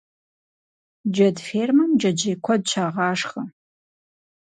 Джэд фермэм джэджьей куэд щагъашхэ.